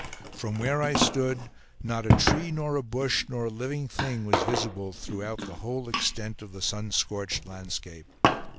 From where I stood, not a tree nor a bush nor a living thing was visible throughout the whole extent of the sun scorched landscape.